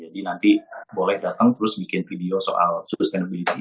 jadi nanti boleh datang terus bikin video soal sustainability